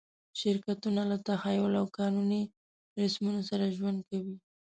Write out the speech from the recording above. شرکتونه له تخیل او قانوني رسمونو سره ژوند کوي.